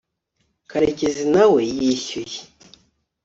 karekezi nawe yishyuye